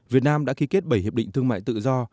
việt nam đã ký kết bảy hiệp định thương mại tự do